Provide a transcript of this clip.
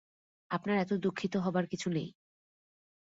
আপনার এত দুঃখিত হবার কিছু নেই।